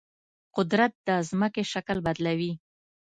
قدرت د ځمکې شکل بدلوي.